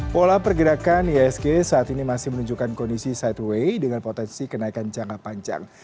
pola pergerakan isg saat ini masih menunjukkan kondisi sideway dengan potensi kenaikan jangka panjang